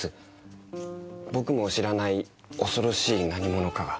僕も知らない恐ろしい何ものかが。